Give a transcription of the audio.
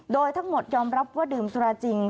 โดยทั้งหมดยอมรับว่าดื่มสุราจริง